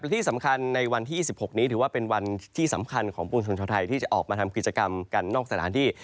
ที่สำคัญในวันที่๒๖นี้ถือว่าเป็นวันที่สำคัญของปวงชนชาวไทยที่จะออกมาทำกิจกรรมกันนอกสถานที่